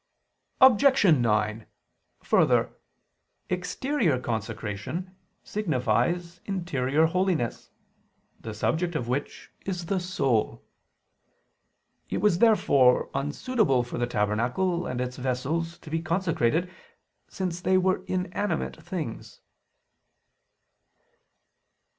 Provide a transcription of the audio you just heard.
Objection 9: Further, exterior consecration signifies interior holiness, the subject of which is the soul. It was therefore unsuitable for the tabernacle and its vessels to be consecrated, since they were inanimate things.